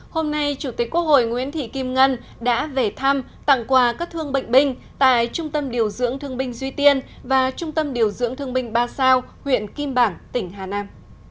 hôm nay chủ tịch quốc hội nguyễn thị kim ngân đã về thăm tặng quà các thương bệnh binh tại trung tâm điều dưỡng thương binh duy tiên và trung tâm điều dưỡng thương binh ba sao huyện kim bảng tỉnh hà nam